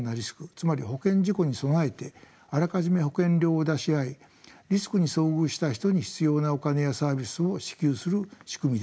つまり保険事故に備えてあらかじめ保険料を出し合いリスクに遭遇した人に必要なお金やサービスを支給する仕組みです。